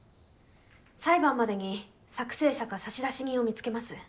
裁判までに作成者か差出人を見つけます。